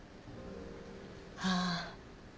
ああ。